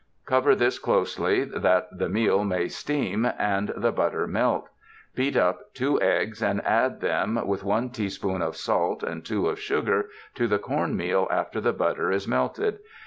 Cover this closely that the meal may steam and the butter melt. Beat up two eggs and add them, with one teaspoonful of salt and two of sugar, to the corn meal after the butter is melted.